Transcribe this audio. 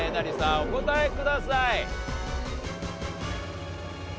お答えください。